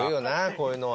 こういうのは。